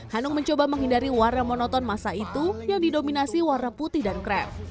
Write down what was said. hanung mencoba menghindari warna monoton masa itu yang didominasi warna putih dan craft